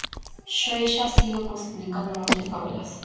Shūeisha sigue publicando muchas novelas.